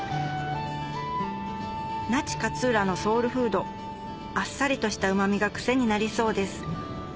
那智勝浦のソウルフードあっさりとしたうま味が癖になりそうです